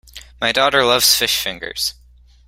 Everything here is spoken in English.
My daughter loves fish fingers